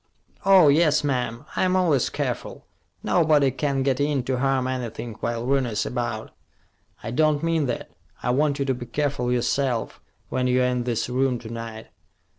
"Oh, yes, ma'am. I'm always careful. Nobody can get in to harm anything while Rooney's about." "I don't mean that. I want you to be careful yourself, when you're in this room to night."